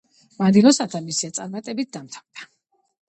მანდილოსანთა მისია წარმატებით დამთავრდა.